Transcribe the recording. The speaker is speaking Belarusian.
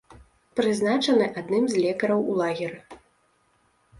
Прызначаны адным з лекараў у лагеры.